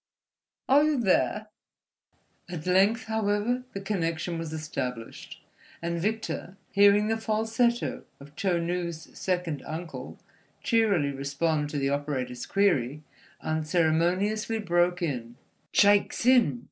Are you theah?" At length, however, the connection was established; and Victor, hearing the falsetto of Chou Nu's second uncle cheerily respond to the operator's query, unceremoniously broke in: "Shaik Tsin?